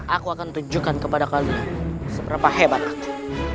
aku akan tunjukkan kepada kalian seberapa hebat aku